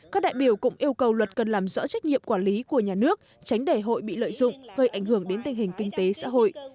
các đại biểu cũng yêu cầu luật cần làm rõ trách nhiệm quản lý của nhà nước tránh để hội bị lợi dụng gây ảnh hưởng đến tình hình kinh tế xã hội